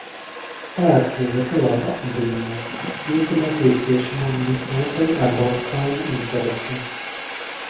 Tā ir ļoti laba zīme, ļoti nepieciešama un visnotaļ atbalstāma interese.